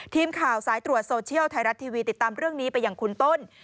ทีมข่าวสายตรวจโซเชียลไทยรัฐทีวีติดตามเรื่องนี้ไปอย่างคุณต้น